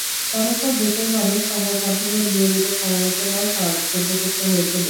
তার ওপর দেশের মানুষ, সংবাদমাধ্যমের নিয়মিত সমালোচনাও সহ্য করতে হয়েছে মেসিকে।